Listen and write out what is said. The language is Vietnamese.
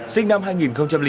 sinh năm hai nghìn chín